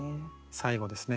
最後ですね